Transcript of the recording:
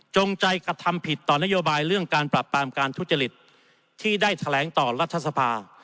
ใจกระทำผิดต่อนโยบายเรื่องการปรับปรามการทุจริตที่ได้แถลงต่อรัฐสภา